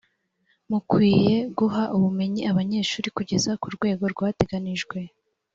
mukwiye guha ubumenyi abanyeshuri kugeza ku rwego rwateganijwe